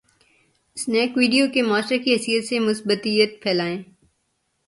Snack video کے master کی حیثیت سے ، مثبتیت پھیلائیں۔